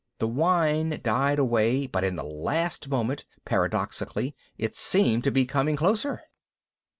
The whine died away but in the last moment, paradoxically, it seemed to be coming closer!